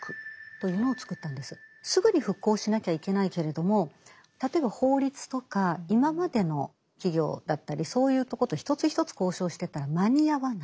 すぐに復興しなきゃいけないけれども例えば法律とか今までの企業だったりそういうとこと一つ一つ交渉してったら間に合わない。